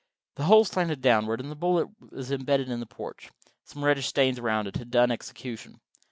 The hole slanted downward, and the bullet was embedded in the porch. Some reddish stains showed it had done execution.